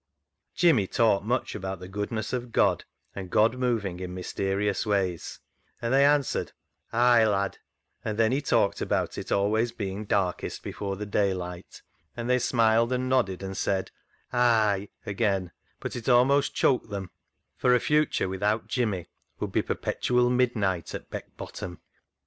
Jimmy talked much about the goodness of God, and God moving in mysterious ways, and they answered " Ay, lad 1 " And then he talked about it always being darkest before daylight, and they smiled and nodded and said " Ay " again, but it almost choked them, for a future without Jimmy would be perpetual midnight at Beck Bottom.